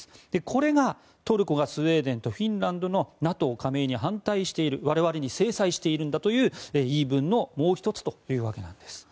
これがトルコがスウェーデンとフィンランドのＮＡＴＯ加盟に反対している我々に制裁しているという言い分のもう１つというわけなんです。